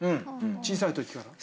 小さいときから。